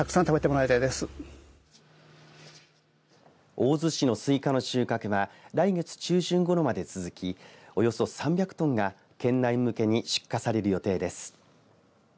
大洲市のスイカの収穫は来月中旬ごろまで続きおよそ３００トンが県内向けに出荷される予定です。